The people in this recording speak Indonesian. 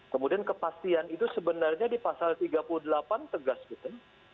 kemudian kepastian itu sebenarnya di pasal tiga puluh delapan tegas gitu